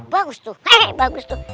bagus tuh kayak bagus tuh